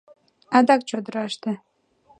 АДАК ЧОДЫРАШТЕ